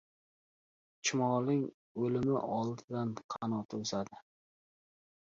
• Chumolining o‘limi oldidan qanoti o‘sadi.